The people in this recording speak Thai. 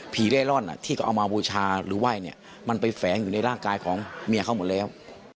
เร่ร่อนที่เขาเอามาบูชาหรือไหว้เนี่ยมันไปแฝงอยู่ในร่างกายของเมียเขาหมดแล้ว